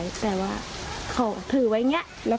แต่ว่าเขาถือไว้อย่างนี้